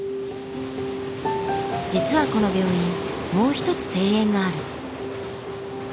実はこの病院もう一つ庭園がある。